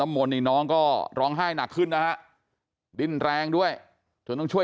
น้ำมนต์นี่น้องก็ร้องไห้หนักขึ้นนะดิ้นแรงด้วยถึงช่วย